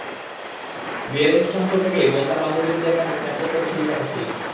বিয়ের অনুষ্ঠানস্থল থেকেই বোন তাঁর বান্ধবীদের কাছে স্ন্যাপচ্যাটে করে ছবি পাঠাচ্ছিলেন।